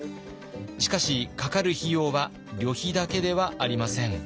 しかしかかる費用は旅費だけではありません。